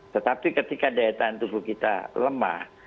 tetapi ketika daya tahan tubuh kita lemah